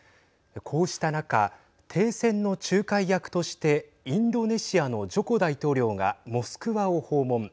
こうした中、停戦の仲介役としてインドネシアのジョコ大統領がモスクワを訪問。